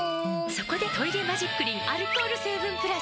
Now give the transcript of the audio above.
そこで「トイレマジックリン」アルコール成分プラス！